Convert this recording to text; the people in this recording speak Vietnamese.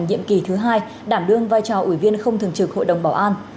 nhiệm kỳ thứ hai đảm đương vai trò ủy viên không thường trực hội đồng bảo an